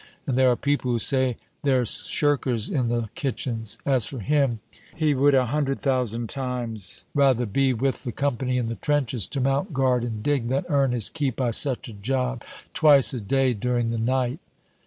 "And there are people who say they're shirkers in the kitchens!" As for him, he would a hundred thousand times rather be with the company in the trenches, to mount guard and dig, than earn his keep by such a job, twice a day during the night!